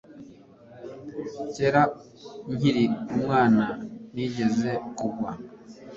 kera nkiri umwana nigeze kugwa